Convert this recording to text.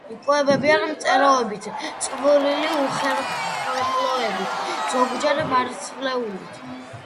იკვებებიან მწერებით, წვრილი უხერხემლოებით, ზოგჯერ მარცვლეულით.